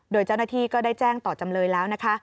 โดยเจ้าหน้าที่ก็ได้แจ้งต่อจำเลยแล้วนะคะ